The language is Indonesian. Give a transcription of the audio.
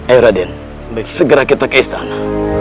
ayo raden segera kita ke istana